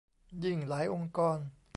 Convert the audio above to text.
ยิ่งหลายองค์กร